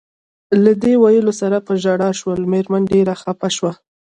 له دې ویلو سره په ژړا شول، مېرمن ډېره خپه شوه.